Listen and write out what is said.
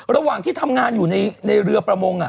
ระหว่างที่ทำงานอยู่ในเรือประมง